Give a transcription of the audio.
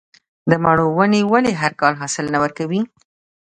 د مڼو ونې ولې هر کال حاصل نه ورکوي؟